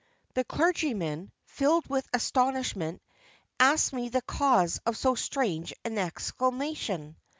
The clergyman, filled with astonishment, asked me the cause of so strange an exclamation.